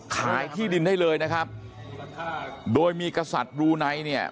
ขายที่ดินได้เลยนะครับโดยมีกษัตริย์บลูไนเนี่ย